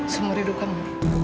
seumur hidup kamu